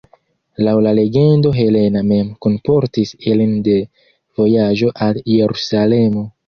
Laŭ la legendo Helena mem kunportis ilin de vojaĝo al Jerusalemo.